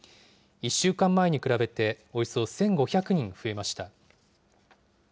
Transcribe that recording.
１週間前に比べて、およそ１５００人増えました。